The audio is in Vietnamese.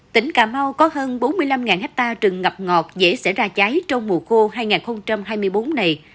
tỉnh cà mau có hơn bốn mươi năm hectare rừng ngập ngọt dễ sẽ ra cháy trong mùa khô hai nghìn hai mươi bốn này